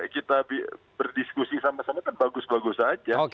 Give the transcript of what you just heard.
kita berdiskusi sama sama kan bagus bagus saja